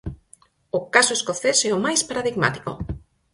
O caso escocés é o máis paradigmático.